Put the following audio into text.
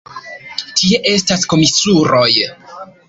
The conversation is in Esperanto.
Tie estas komisuroj!